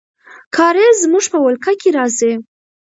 کارېز زموږ په ولکه کې راځي.